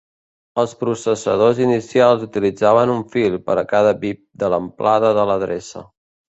Els processadors inicials utilitzaven un fil per a cada bit de l'amplada de l'adreça.